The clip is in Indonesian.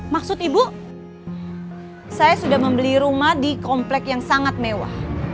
maksud ibu saya sudah membeli rumah di komplek yang sangat mewah